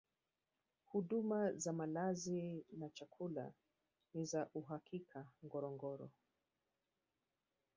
huduma za malazi na chakula ni za uhakika ngorongoro